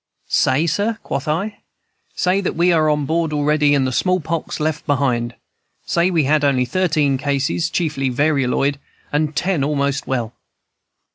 "'Say, sir?' quoth I. 'Say that we are on board already and the small pox left behind. Say we had only thirteen cases, chiefly varioloid, and ten almost well.'